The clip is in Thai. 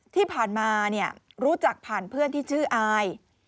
ที่ผ่านมารู้จักผ่านเพื่อนที่ชื่ออาย